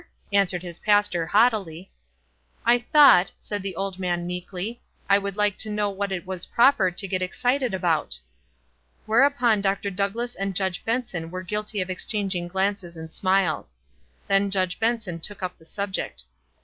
answered his pastor, haughtily. "I thought," said the old man, meekly, "I would like to know what it was proper to get excited about." Whereupon Dr. Douglass and Judge Benson were guilty of exchanging glances and smiles. Then Judge Benson took up the subject.